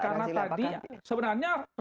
karena tadi ya sebenarnya rejim hak cipta itu